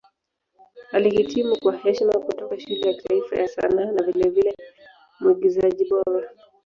Alihitimu kwa heshima kutoka Shule ya Kitaifa ya Sanaa na vilevile Mwigizaji Bora.